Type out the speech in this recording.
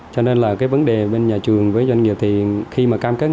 cho nên là cái vấn đề bên nhà trường với doanh nghiệp thì khi mà cam kết